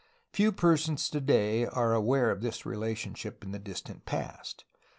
Few persons today are aware of this relationship in the distant past.